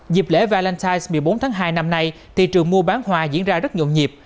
dịp lễ valentine một mươi bốn tháng hai năm nay thị trường mua bán hoa diễn ra rất nhộn nhịp